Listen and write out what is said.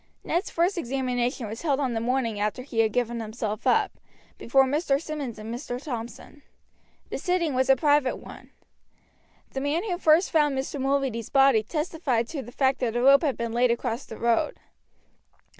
Ned's first examination was held on the morning after he had given himself up, before Mr. Simmonds and Mr. Thompson. The sitting was a private one. The man who first found Mr. Mulready's body testified to the fact that a rope had been laid across the road.